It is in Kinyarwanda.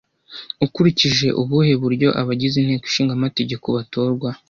Ukurikije ubuhe buryo abagize Inteko ishinga amategeko batorwa